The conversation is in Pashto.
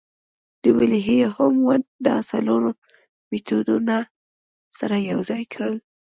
ویلهیلم وونت دا څلور مېتودونه سره یوځای کړل